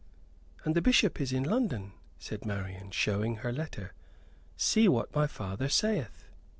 "And the Bishop is in London," said Marian, showing her letter. "See what my father saith."